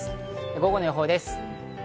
午後の予報です。